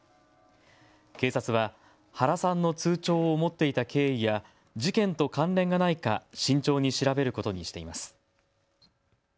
警察は原さんの通帳を持っていた経緯や事件と関連がないか慎重に調べることにしています。